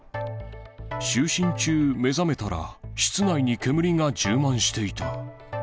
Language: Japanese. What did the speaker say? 就寝中、目覚めたら室内に煙が充満していた。